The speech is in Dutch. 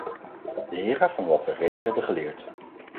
Leren van wat we reeds hebben geleerd.